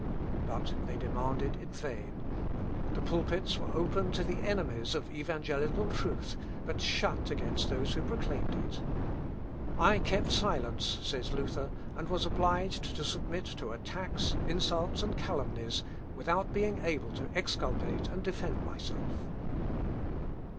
But they demanded in vain. The pulpits were open to the enemies of evangelical truth, but shut against those who proclaimed it. "I kept silence," says Luther, "and was obliged to submit to attacks, insults, and calumnies, without being able to exculpate and defend myself."